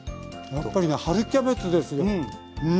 やっぱりね春キャベツですようん。